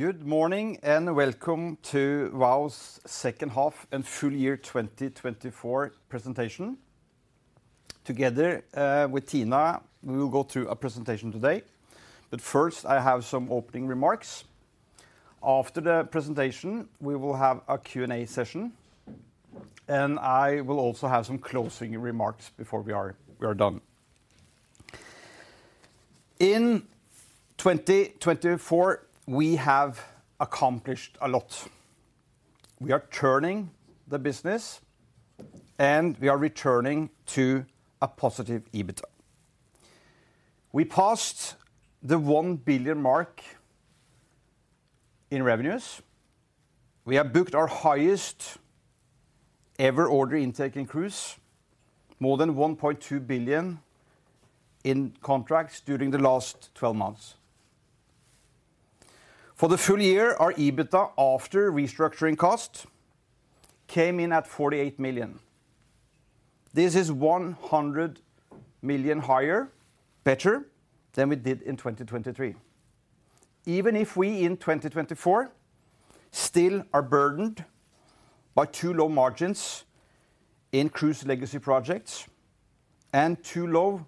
Good morning and welcome to Vow's second half and full year 2024 presentation. Together with Tina, we will go through a presentation today. First, I have some opening remarks. After the presentation, we will have a Q&A session, and I will also have some closing remarks before we are done. In 2024, we have accomplished a lot. We are turning the business, and we are returning to a positive EBITDA. We passed the 1 billion mark in revenues. We have booked our highest ever order intake in cruise, more than 1.2 billion in contracts during the last 12 months. For the full year, our EBITDA after restructuring costs came in at 48 million. This is 100 million higher, better than we did in 2023. Even if we in 2024 still are burdened by too low margins in cruise legacy projects and too low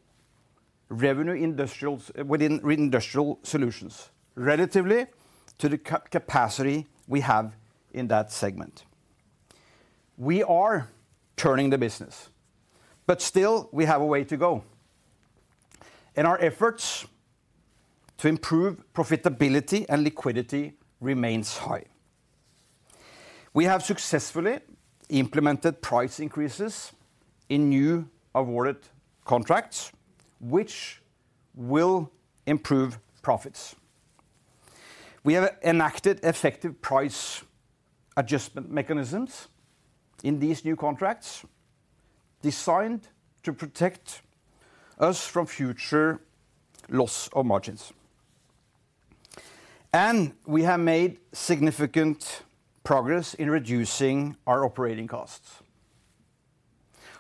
revenue within Industrial Solutions relative to the capacity we have in that segment. We are turning the business, but still we have a way to go. Our efforts to improve profitability and liquidity remain high. We have successfully implemented price increases in new awarded contracts, which will improve profits. We have enacted effective price adjustment mechanisms in these new contracts designed to protect us from future loss of margins. We have made significant progress in reducing our operating costs.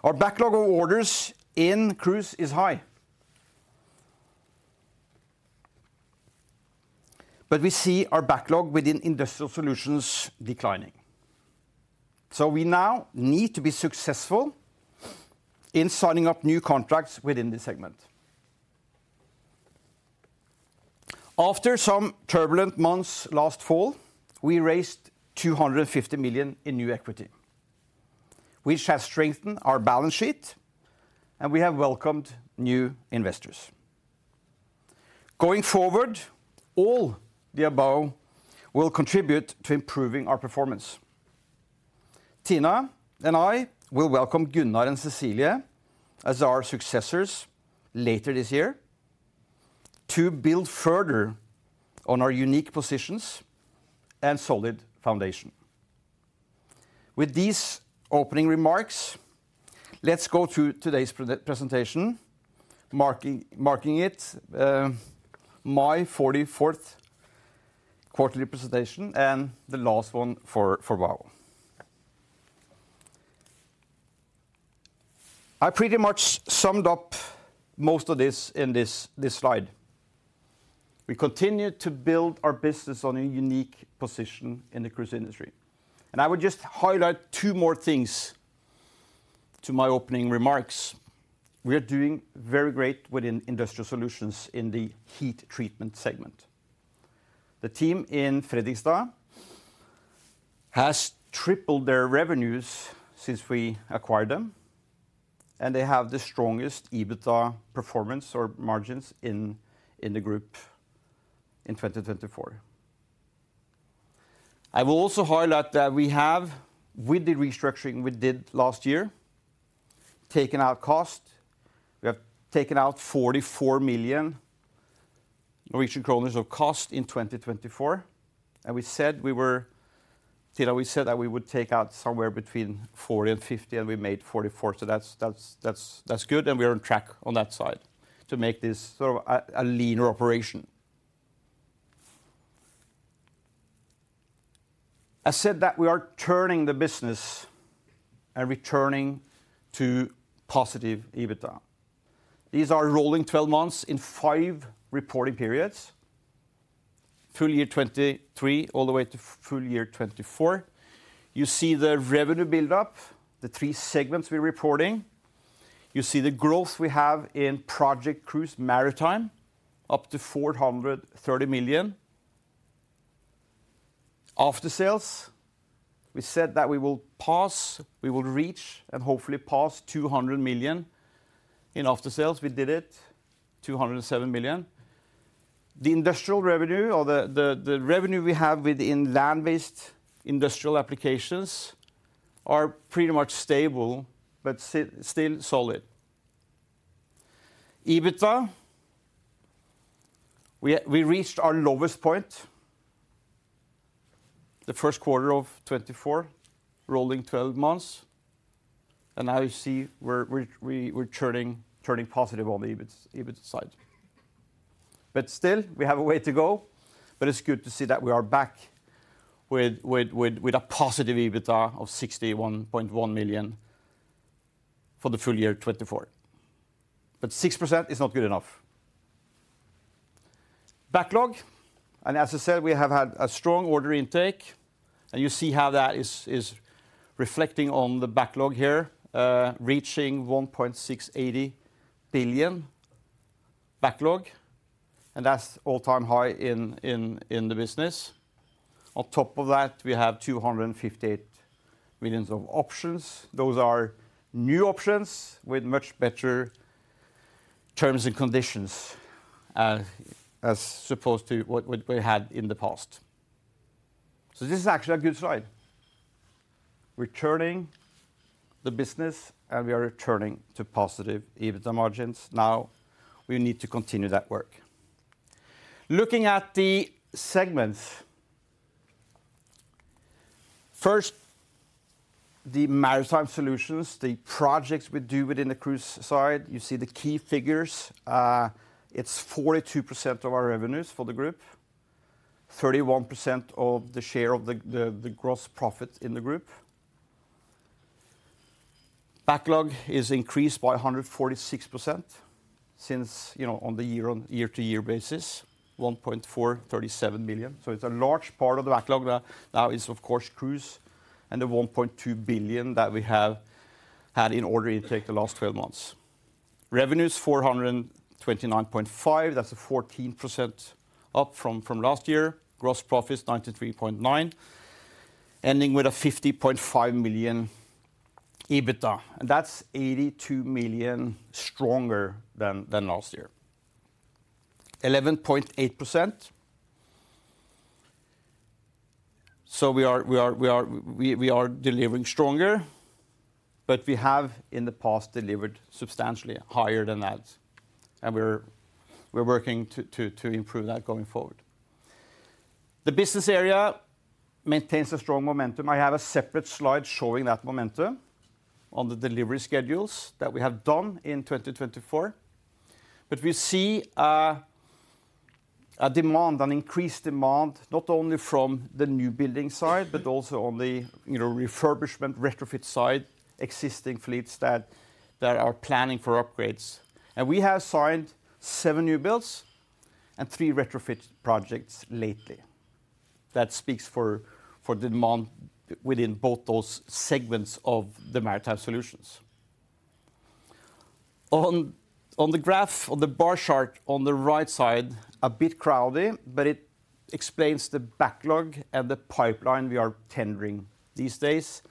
Our backlog of orders in cruise is high, but we see our backlog within Industrial Solutions declining. We now need to be successful in signing up new contracts within the segment. After some turbulent months last fall, we raised 250 million in new equity, which has strengthened our balance sheet, and we have welcomed new investors. Going forward, all the above will contribute to improving our performance. Tina and I will welcome Gunnar and Cecilie as our successors later this year to build further on our unique positions and solid foundation. With these opening remarks, let's go to today's presentation, marking it my 44th quarterly presentation and the last one for Vow. I pretty much summed up most of this in this slide. We continue to build our business on a unique position in the cruise industry. I would just highlight two more things to my opening remarks. We are doing very great within industrial solutions in the heat treatment segment. The team in Fredrikstad has tripled their revenues since we acquired them, and they have the strongest EBITDA performance or margins in the group in 2024. I will also highlight that we have, with the restructuring we did last year, taken out cost. We have taken out 44 million Norwegian kroner of cost in 2024. We said we were, Tina, we said that we would take out somewhere between 40 million and 50 million, and we made 44 million. That is good, and we are on track on that side to make this sort of a leaner operation. I said that we are turning the business and returning to positive EBITDA. These are rolling 12 months in five reporting periods, full year 2023 all the way to full year 2024. You see the revenue build-up, the three segments we are reporting. You see the growth we have in project cruise maritime, up to 430 million. Aftersales, we said that we will pass, we will reach, and hopefully pass 200 million in aftersales. We did it, 207 million. The industrial revenue or the revenue we have within land-based industrial applications are pretty much stable, but still solid. EBITDA, we reached our lowest point the first quarter of 2024, rolling 12 months. Now you see we're turning positive on the EBITDA side. We have a way to go. It is good to see that we are back with a positive EBITDA of 61.1 million for the full year 2024. 6% is not good enough. Backlog, and as I said, we have had a strong order intake, and you see how that is reflecting on the backlog here, reaching 1.680 billion backlog, and that's all-time high in the business. On top of that, we have 258 million of options. Those are new options with much better terms and conditions as opposed to what we had in the past. This is actually a good slide. Returning the business, and we are returning to positive EBITDA margins. Now we need to continue that work. Looking at the segments, first, the Maritime Solutions, the projects we do within the cruise side, you see the key figures. It's 42% of our revenues for the group, 31% of the share of the gross profit in the group. Backlog is increased by 146% since on the year-to-year basis, 1.437 billion. It's a large part of the backlog. Now it's, of course, cruise and the 1.2 billion that we have had in order intake the last 12 months. Revenues 429.5 million, that's 14% up from last year. Gross profits 93.9 million, ending with a 50.5 million EBITDA. That's 82 million stronger than last year, 11.8%. We are delivering stronger, but we have in the past delivered substantially higher than that. We are working to improve that going forward. The business area maintains a strong momentum. I have a separate slide showing that momentum on the delivery schedules that we have done in 2024. We see a demand, an increased demand, not only from the new building side, but also on the refurbishment, retrofit side, existing fleets that are planning for upgrades. We have signed seven new builds and three retrofit projects lately. That speaks for demand within both those segments of the Maritime Solutions. On the graph, on the bar chart on the right side, a bit crowdy, but it explains the backlog and the pipeline we are tendering these days.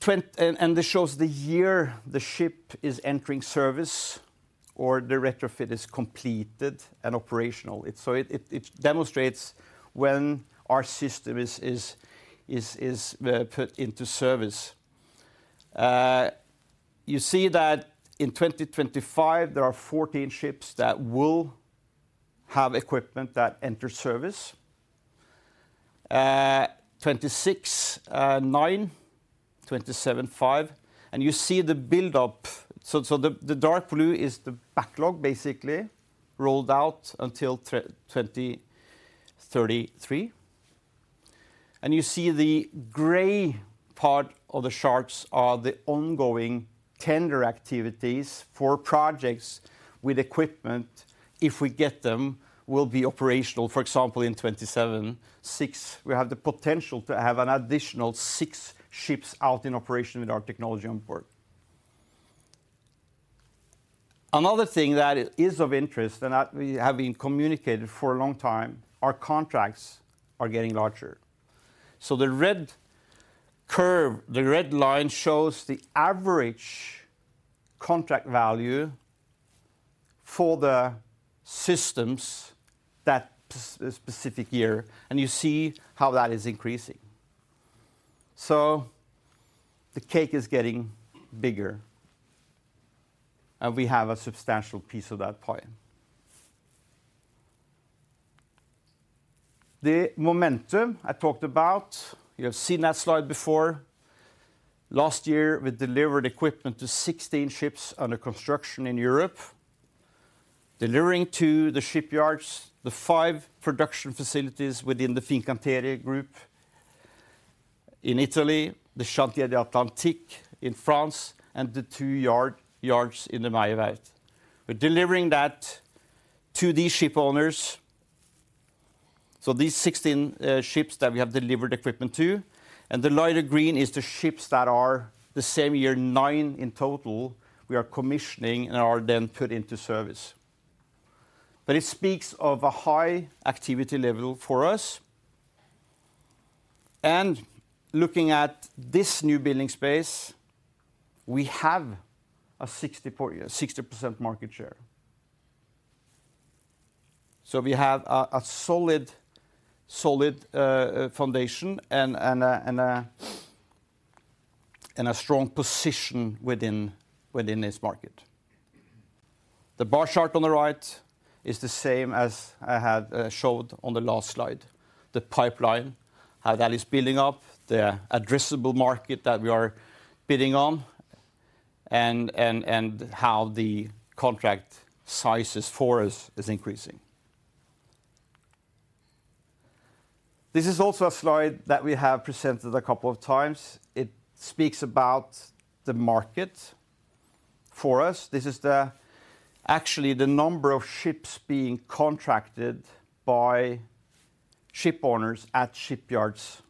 This shows the year the ship is entering service or the retrofit is completed and operational. It demonstrates when our system is put into service. You see that in 2025, there are 14 ships that will have equipment that enter service, 2026, 9, 2027, 5. You see the build-up. The dark blue is the backlog, basically, rolled out until 2033. You see the gray part of the charts are the ongoing tender activities for projects with equipment. If we get them, we will be operational. For example, in 2027, 6, we have the potential to have an additional six ships out in operation with our technology on board. Another thing that is of interest and that we have been communicated for a long time, our contracts are getting larger. The red curve, the red line shows the average contract value for the systems that specific year. You see how that is increasing. The cake is getting bigger, and we have a substantial piece of that pie. The momentum I talked about, you have seen that slide before. Last year, we delivered equipment to 16 ships under construction in Europe, delivering to the shipyards, the five production facilities within the Fincantieri Group in Italy, the Chantiers de l'Atlantique in France, and the two yards in the Meyer Werft. We are delivering that to these ship owners. These 16 ships that we have delivered equipment to, and the lighter green is the ships that are the same year, nine in total, we are commissioning and are then put into service. It speaks of a high activity level for us. Looking at this new building space, we have a 60% market share. We have a solid foundation and a strong position within this market. The bar chart on the right is the same as I had showed on the last slide, the pipeline, how that is building up, the addressable market that we are bidding on, and how the contract sizes for us is increasing. This is also a slide that we have presented a couple of times. It speaks about the market for us. This is actually the number of ships being contracted by ship owners at shipyards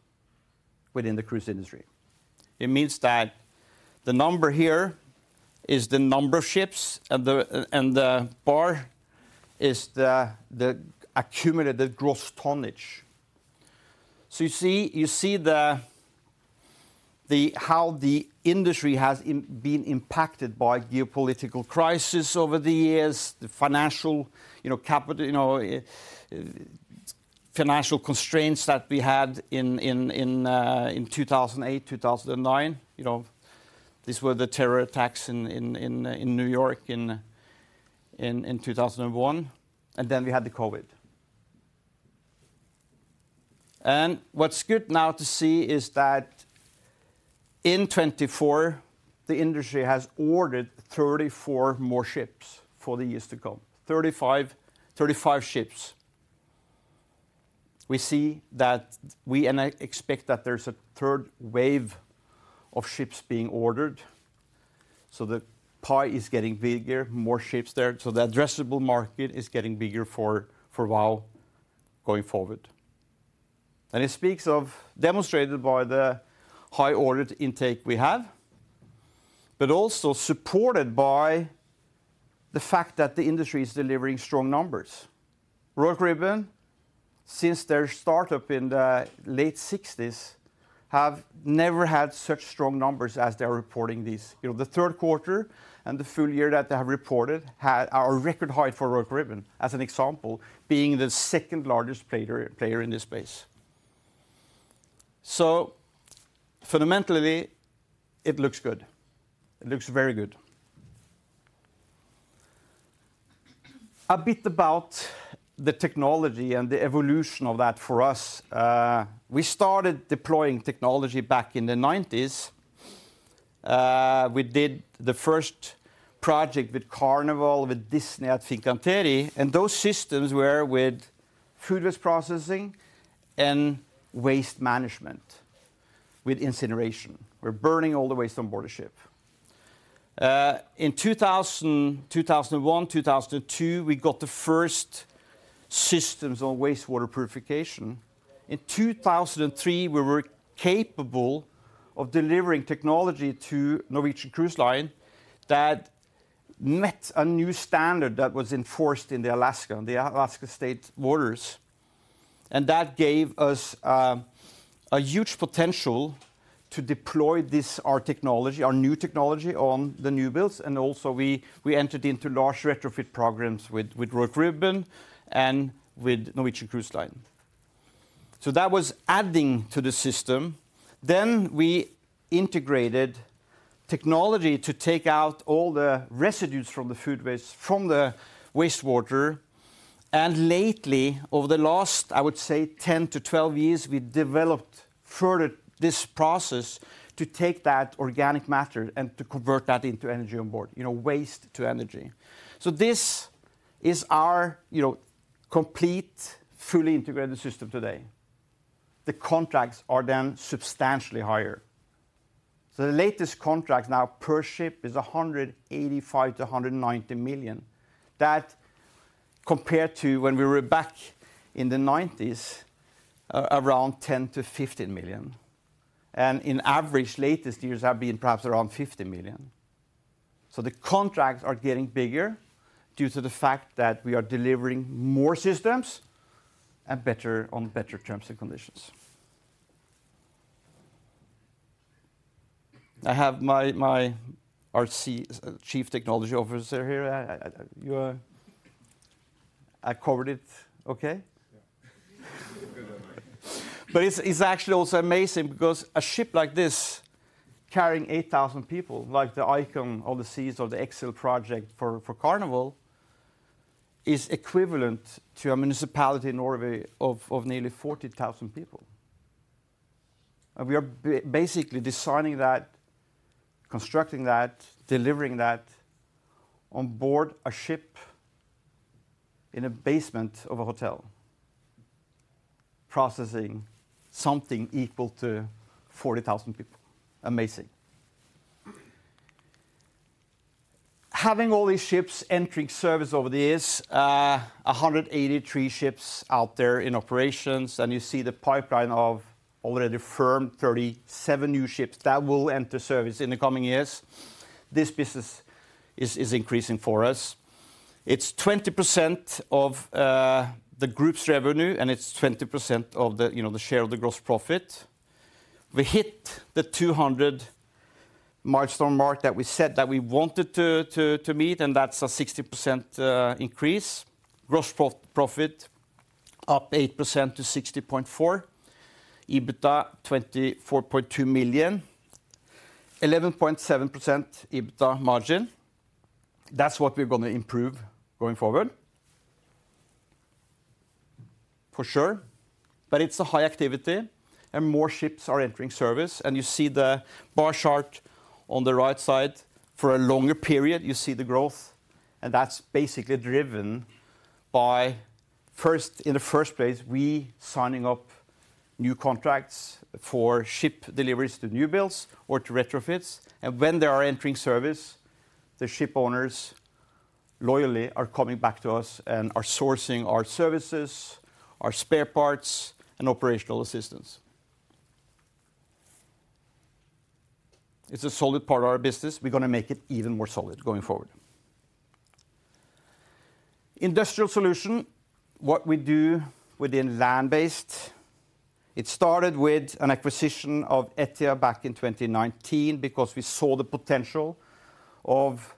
within the cruise industry. It means that the number here is the number of ships, and the bar is the accumulated gross tonnage. You see how the industry has been impacted by geopolitical crises over the years, the financial constraints that we had in 2008, 2009. These were the terror attacks in New York in 2001. We had the COVID. What is good now to see is that in 2024, the industry has ordered 34 more ships for the years to come, 35 ships. We see that we expect that there is a third wave of ships being ordered. The pie is getting bigger, more ships there. The addressable market is getting bigger for Vow going forward. It speaks of, demonstrated by the high order intake we have, but also supported by the fact that the industry is delivering strong numbers. Royal Caribbean, since their startup in the late 1960s, have never had such strong numbers as they are reporting these. The third quarter and the full year that they have reported are a record high for Royal Caribbean, as an example, being the second largest player in this space. Fundamentally, it looks good. It looks very good. A bit about the technology and the evolution of that for us. We started deploying technology back in the 1990s. We did the first project with Carnival, with Disney at Fincantieri. Those systems were with food waste processing and waste management with incineration. We're burning all the waste on board the ship. In 2001, 2002, we got the first systems on wastewater purification. In 2003, we were capable of delivering technology to Norwegian Cruise Line that met a new standard that was enforced in the Alaska and the Alaska State Waters. That gave us a huge potential to deploy our technology, our new technology on the new builds. We entered into large retrofit programs with Royal Caribbean and with Norwegian Cruise Line. That was adding to the system. We integrated technology to take out all the residues from the food waste, from the wastewater. Lately, over the last, I would say, 10 to 12 years, we developed further this process to take that organic matter and to convert that into energy on board, waste to energy. This is our complete, fully integrated system today. The contracts are then substantially higher. The latest contract now per ship is 185 million-190 million. That compared to when we were back in the 1990s, around 10 million-15 million. On average, latest years have been perhaps around 50 million. The contracts are getting bigger due to the fact that we are delivering more systems and better on better terms and conditions. I have my Chief Technology Officer here. I covered it okay? It is actually also amazing because a ship like this carrying 8,000 people, like the Icon of the Seas of the Excel project for Carnival, is equivalent to a municipality in Norway of nearly 40,000 people. We are basically designing that, constructing that, delivering that on board a ship in a basement of a hotel, processing something equal to 40,000 people. Amazing. Having all these ships entering service over the years, 183 ships out there in operations. You see the pipeline of already firmed 37 new ships that will enter service in the coming years. This business is increasing for us. It's 20% of the group's revenue, and it's 20% of the share of the gross profit. We hit the 200 milestone mark that we said that we wanted to meet, and that's a 60% increase. Gross profit up 8% to 60.4, EBITDA 24.2 million, 11.7% EBITDA margin. That's what we're going to improve going forward, for sure. It is a high activity, and more ships are entering service. You see the bar chart on the right side for a longer period. You see the growth, and that's basically driven by, first, in the first place, we signing up new contracts for ship deliveries to new builds or to retrofits. When they are entering service, the ship owners loyally are coming back to us and are sourcing our services, our spare parts, and operational assistance. It's a solid part of our business. We're going to make it even more solid going forward. Industrial Solutions, what we do within land-based. It started with an acquisition of ETIA back in 2019 because we saw the potential of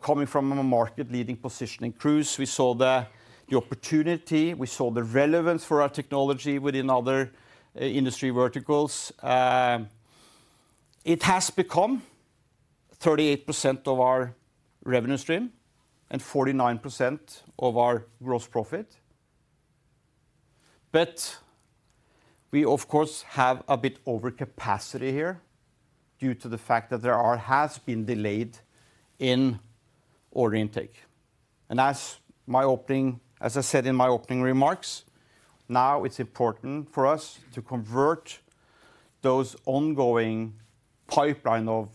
coming from a market-leading position in cruise. We saw the opportunity. We saw the relevance for our technology within other industry verticals. It has become 38% of our revenue stream and 49% of our gross profit. Of course, we have a bit overcapacity here due to the fact that there has been delay in order intake. As I said in my opening remarks, now it's important for us to convert those ongoing pipeline of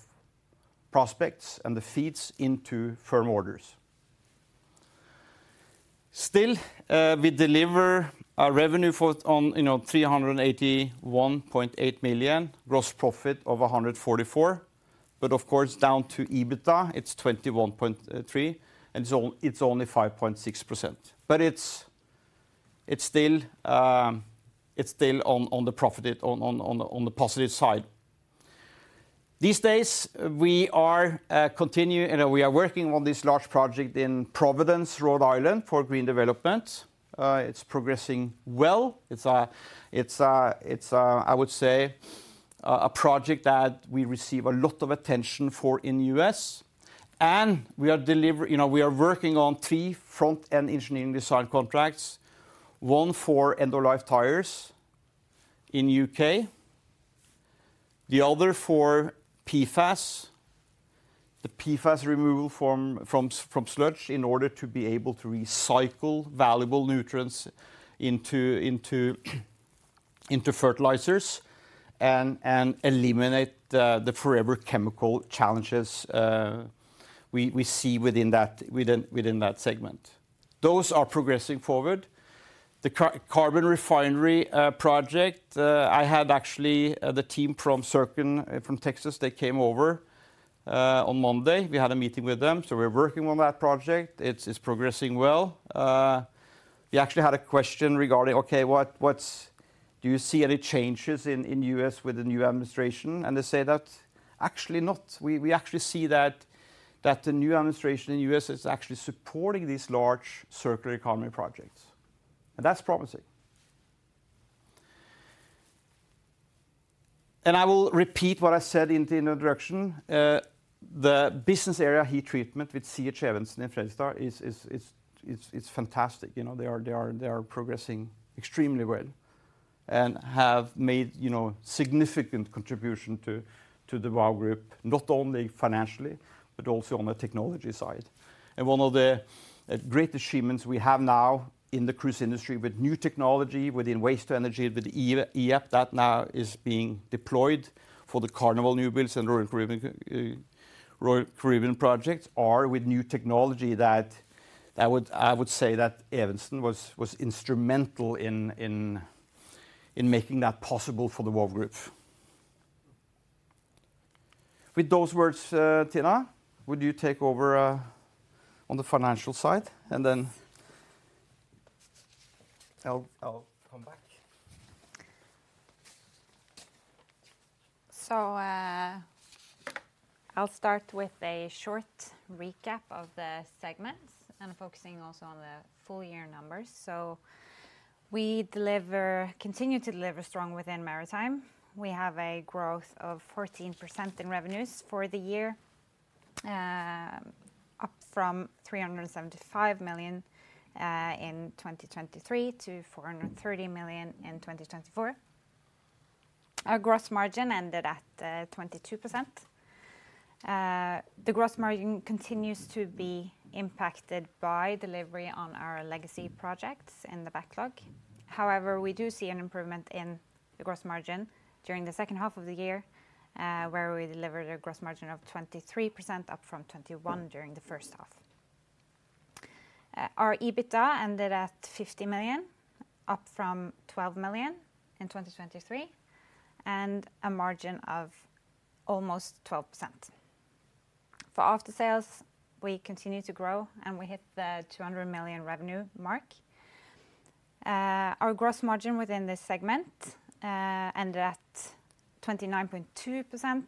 prospects and the FEEDs into firm orders. Still, we deliver our revenue on 381.8 million, gross profit of 144 million. Of course, down to EBITDA, it's 21.3 million, and it's only 5.6%. It's still on the positive side. These days, we are working on this large project in Providence, Rhode Island, for Green Development. It's progressing well. It's, I would say, a project that we receive a lot of attention for in the U.S. We are working on three front-end engineering design contracts, one for End-of-Life Tires in the U.K., the other for PFAS, the PFAS removal from sludge in order to be able to recycle valuable nutrients into fertilizers and eliminate the forever chemical challenges we see within that segment. Those are progressing forward. The carbon refinery project, I had actually the team from Circon, from Texas, they came over on Monday. We had a meeting with them. We are working on that project. It's progressing well. We actually had a question regarding, okay, do you see any changes in the U.S. with the new administration? They say that actually not. We actually see that the new administration in the U.S. is actually supporting these large circular economy projects. That is promising. I will repeat what I said in the introduction. The business area heat treatment with C.H. Evensen and Fredrikstad is fantastic. They are progressing extremely well and have made a significant contribution to the Vow group, not only financially, but also on the technology side. One of the great achievements we have now in the cruise industry with new technology within waste to energy with ETIA that now is being deployed for the Carnival new builds and Royal Caribbean projects are with new technology that I would say that Evensen was instrumental in making that possible for the Vow group. With those words, Tina, would you take over on the financial side? I will come back. I'll start with a short recap of the segments and focusing also on the full year numbers. We continue to deliver strong within maritime. We have a growth of 14% in revenues for the year, up from 375 million in 2023 to 430 million in 2024. Our gross margin ended at 22%. The gross margin continues to be impacted by delivery on our legacy projects in the backlog. However, we do see an improvement in the gross margin during the second half of the year, where we delivered a gross margin of 23%, up from 21% during the first half. Our EBITDA ended at 50 million, up from 12 million in 2023, and a margin of almost 12%. For aftersales, we continue to grow, and we hit the 200 million revenue mark. Our gross margin within this segment ended at 29.2%.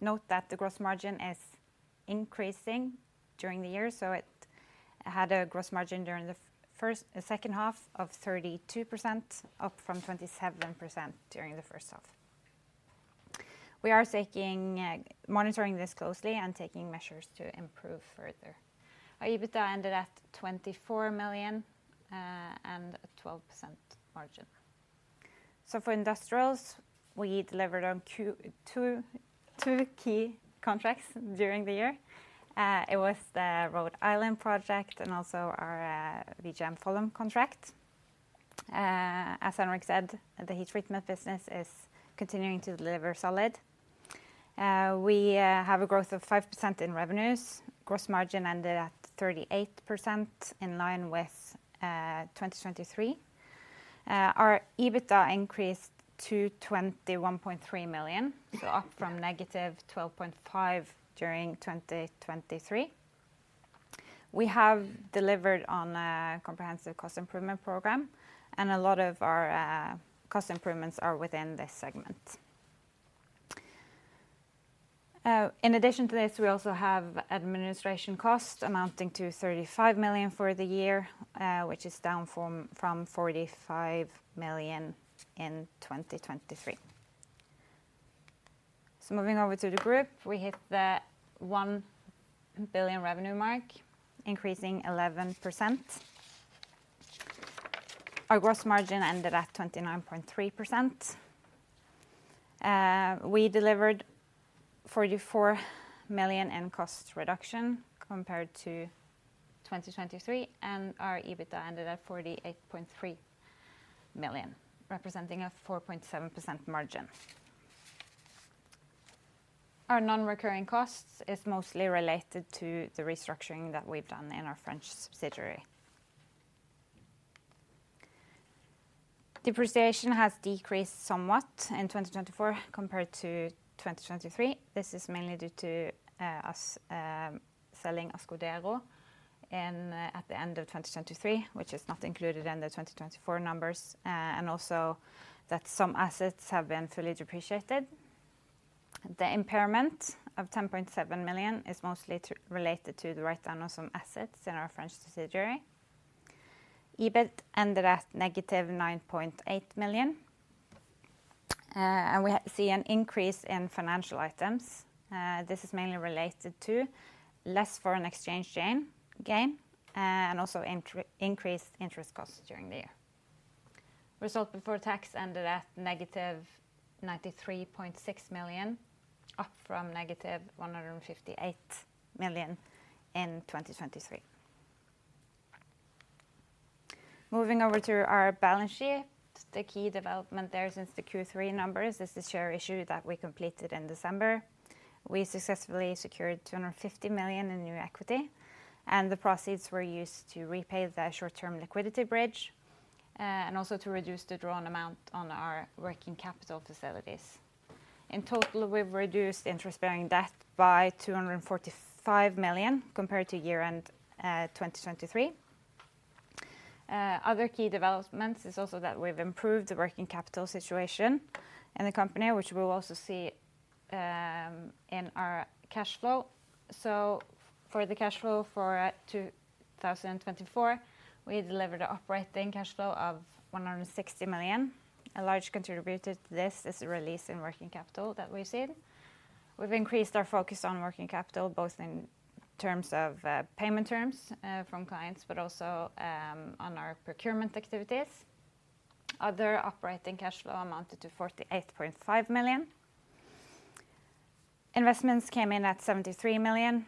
Note that the gross margin is increasing during the year. It had a gross margin during the second half of 32%, up from 27% during the first half. We are monitoring this closely and taking measures to improve further. Our EBITDA ended at 24 million and a 12% margin. For industrials, we delivered on two key contracts during the year. It was the Rhode Island project and also our VGM Follum contract. As Henrik said, the heat treatment business is continuing to deliver solid. We have a growth of 5% in revenues. Gross margin ended at 38% in line with 2023. Our EBITDA increased to 21.3 million, up from negative 12.5 million during 2023. We have delivered on a comprehensive cost improvement program, and a lot of our cost improvements are within this segment. In addition to this, we also have administration costs amounting to 35 million for the year, which is down from 45 million in 2023. Moving over to the group, we hit the 1 billion revenue mark, increasing 11%. Our gross margin ended at 29.3%. We delivered 44 million in cost reduction compared to 2023, and our EBITDA ended at 48.3 million, representing a 4.7% margin. Our non-recurring costs are mostly related to the restructuring that we've done in our French subsidiary. Depreciation has decreased somewhat in 2024 compared to 2023. This is mainly due to us selling Ascoder at the end of 2023, which is not included in the 2024 numbers, and also that some assets have been fully depreciated. The impairment of 10.7 million is mostly related to the right annuals on assets in our French subsidiary. EBIT ended at negative 9.8 million. We see an increase in financial items. This is mainly related to less foreign exchange gain and also increased interest costs during the year. Result before tax ended at negative 93.6 million, up from negative 158 million in 2023. Moving over to our balance sheet, the key development there since the Q3 numbers is the share issue that we completed in December. We successfully secured 250 million in new equity, and the proceeds were used to repay the short-term liquidity bridge and also to reduce the drawn amount on our working capital facilities. In total, we've reduced interest-bearing debt by 245 million compared to year-end 2023. Other key developments is also that we've improved the working capital situation in the company, which we will also see in our cash flow. For the cash flow for 2024, we delivered an operating cash flow of 160 million. A large contributor to this is the release in working capital that we've seen. We've increased our focus on working capital, both in terms of payment terms from clients, but also on our procurement activities. Other operating cash flow amounted to 48.5 million. Investments came in at 73 million.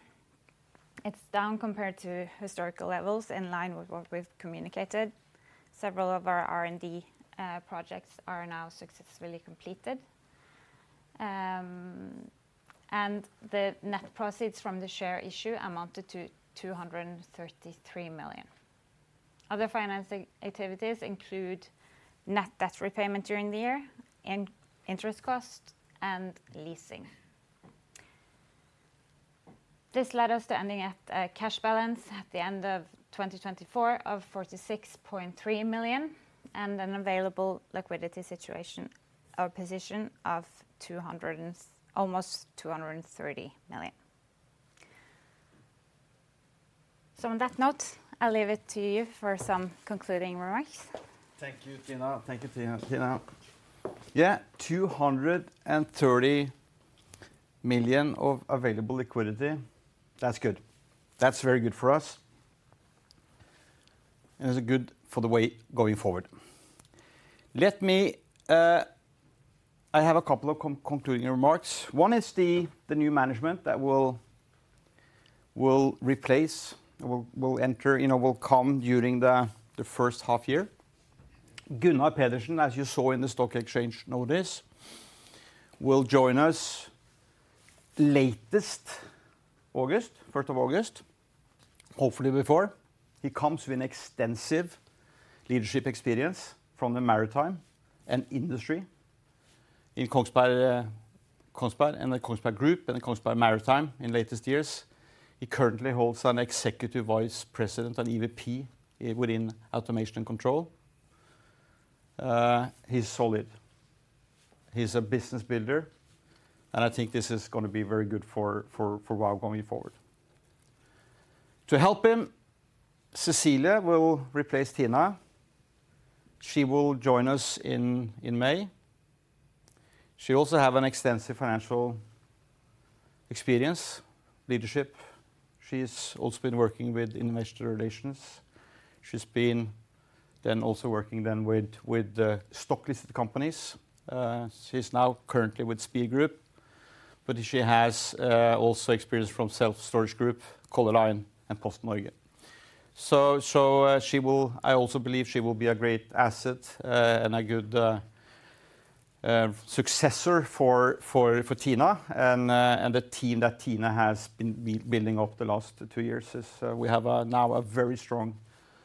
It's down compared to historical levels, in line with what we've communicated. Several of our R&D projects are now successfully completed. The net proceeds from the share issue amounted to 233 million. Other finance activities include net debt repayment during the year, interest costs, and leasing. This led us to ending at a cash balance at the end of 2024 of 46.3 million and an available liquidity situation or position of almost NOK 230 million. On that note, I'll leave it to you for some concluding remarks. Thank you, Tina. Yeah, 230 million of available liquidity. That's good. That's very good for us. It's good for the way going forward. Let me, I have a couple of concluding remarks. One is the new management that will replace, will enter, will come during the first half year. Gunnar Pedersen, as you saw in the stock exchange notice, will join us latest August, 1st of August, hopefully before. He comes with extensive leadership experience from the maritime and industry in Kongsberg and the Kongsberg group and the Kongsberg Maritime in latest years. He currently holds an Executive Vice President, an EVP, within automation and control. He's solid. He's a business builder. I think this is going to be very good for Vow going forward. To help him, Cecilia will replace Tina. She will join us in May. She also has extensive financial experience, leadership. She's also been working with investor relations. She's been then also working then with stock-listed companies. She's now currently with Speed Group, but she has also experience from Self Storage Group, Color Line, and Posten Norge. I also believe she will be a great asset and a good successor for Tina and the team that Tina has been building up the last two years. We have now a very strong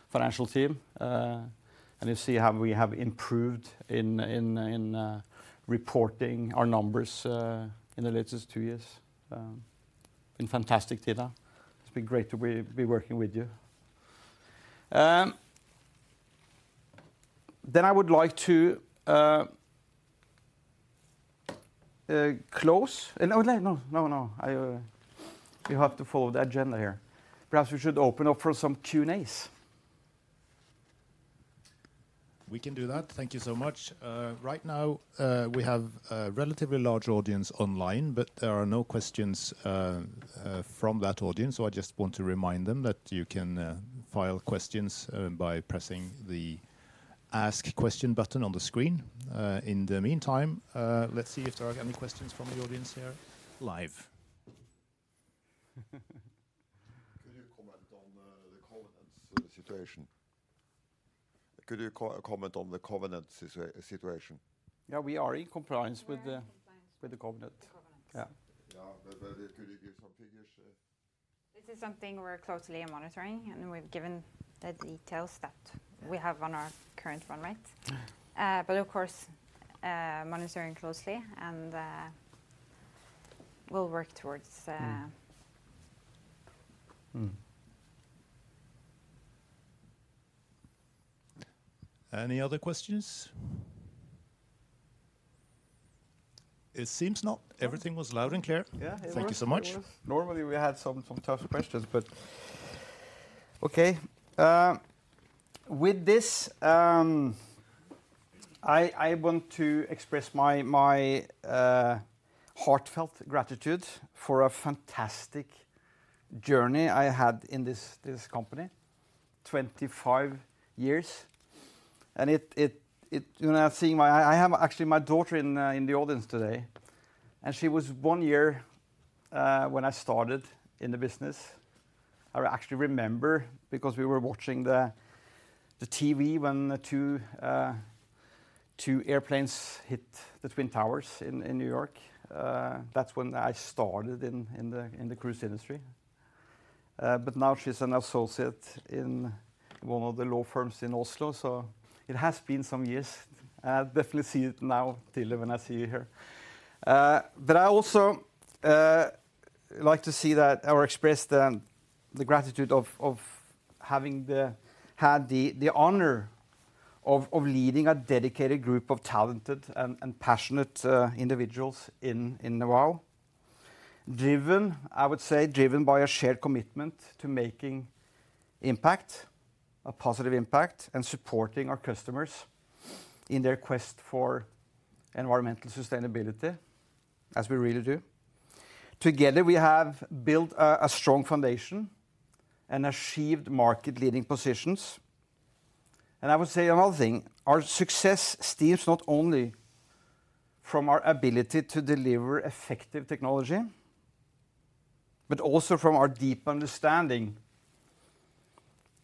financial team. You see how we have improved in reporting our numbers in the latest two years. Been fantastic, Tina. It's been great to be working with you. I would like to close. No, no, no. We have to follow the agenda here. Perhaps we should open up for some Q&As. We can do that. Thank you so much. Right now, we have a relatively large audience online, but there are no questions from that audience. I just want to remind them that you can file questions by pressing the Ask Question button on the screen. In the meantime, let's see if there are any questions from the audience here. Live. Could you comment on the Covenant situation? Yeah, we are in compliance with the Covenant. Yeah. Could you give some figures? This is something we're closely monitoring, and we've given the details that we have on our current run rate. Of course, monitoring closely, and we'll work towards. Any other questions? It seems not. Everything was loud and clear. Thank you so much. Normally, we had some tough questions, but okay. With this, I want to express my heartfelt gratitude for a fantastic journey I had in this company, 25 years. And I have actually my daughter in the audience today. And she was one year when I started in the business. I actually remember because we were watching the TV when two airplanes hit the Twin Towers in New York. That's when I started in the cruise industry. But now she's an associate in one of the law firms in Oslo. So it has been some years. I definitely see it now, Tina, when I see you here. I also like to see that or express the gratitude of having had the honor of leading a dedicated group of talented and passionate individuals in the Vow, I would say, driven by a shared commitment to making impact, a positive impact, and supporting our customers in their quest for environmental sustainability, as we really do. Together, we have built a strong foundation and achieved market-leading positions. I would say another thing, our success stems not only from our ability to deliver effective technology, but also from our deep understanding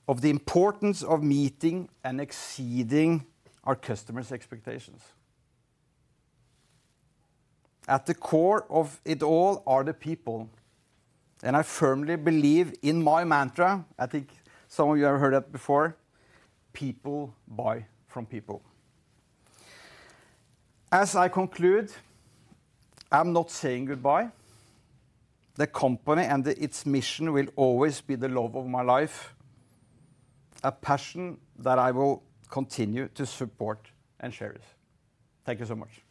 of the importance of meeting and exceeding our customers' expectations. At the core of it all are the people. I firmly believe in my mantra, I think some of you have heard that before, people buy from people. As I conclude, I'm not saying goodbye. The company and its mission will always be the love of my life, a passion that I will continue to support and cherish. Thank you so much.